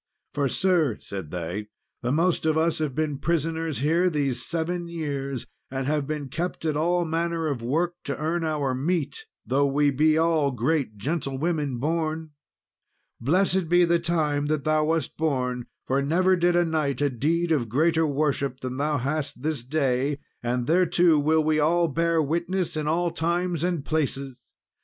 "For, sir," said they, "the most of us have been prisoners here these seven years; and have been kept at all manner of work to earn our meat, though we be all great gentlewomen born. Blessed be the time that thou wast born, for never did a knight a deed of greater worship than thou hast this day, and thereto will we all bear witness in all times and places!